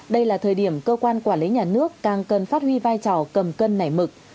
đây là thời điểm cơ quan quản lý nhà nước càng cần phát huy vai trò cầm cân nảy mực